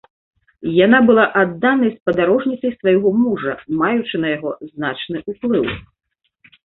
Яна была адданай спадарожніцай свайго мужа, маючы на яго значны ўплыў.